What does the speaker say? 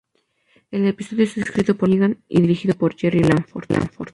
El episodio está escrito por Patrick Meighan y dirigido por Jerry Langford.